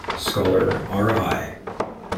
Scholar R. I.